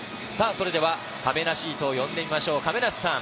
それでは、かめなシートを呼んでみましょう、亀梨さん。